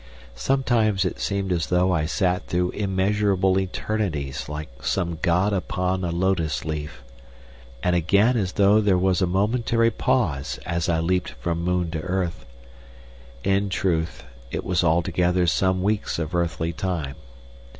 Sometimes it seemed as though I sat through immeasurable eternities like some god upon a lotus leaf, and again as though there was a momentary pause as I leapt from moon to earth. In truth, it was altogether some weeks of earthly time.